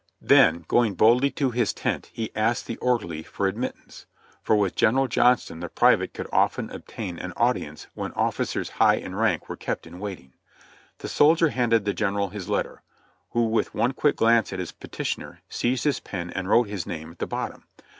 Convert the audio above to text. Then, going boldly to his tent, he asked the orderly for admit tance, for with General Johnston the private could often obtain an audience when officers high in rank were kept in waiting. The sol dier handed the General his letter, who with one quick glance at his petitioner, seized his pen and wrote his name at the bottom.